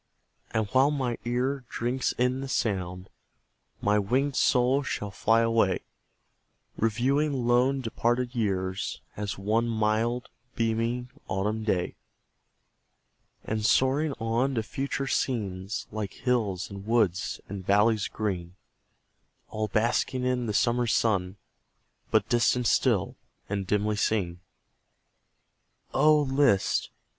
And while my ear drinks in the sound, My winged soul shall fly away; Reviewing lone departed years As one mild, beaming, autumn day; And soaring on to future scenes, Like hills and woods, and valleys green, All basking in the summer's sun, But distant still, and dimly seen. Oh, list!